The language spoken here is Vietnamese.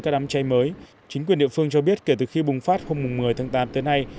các đám cháy mới chính quyền địa phương cho biết kể từ khi bùng phát hôm một mươi tháng tám tới nay